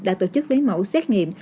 đã tổ chức lấy mẫu xét nghiệm